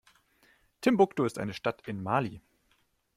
Timbuktu ist eine Stadt in Mali.